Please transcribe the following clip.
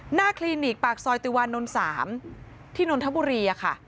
คลินิกปากซอยติวานนท์๓ที่นนทบุรีค่ะ